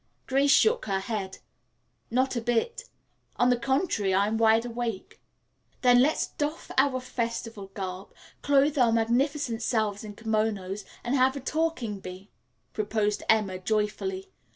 Grace shook her head. "Not a bit. On the contrary, I'm wide awake." "Then let's doff our festival garb, clothe our magnificent selves in kimonos and have a talking bee," proposed Emma joyfully.